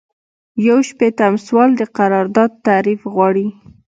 یو شپیتم سوال د قرارداد تعریف غواړي.